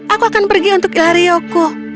aku akan pergi untuk ilarioku